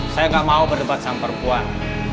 saya gak mau berdebat sama perempuan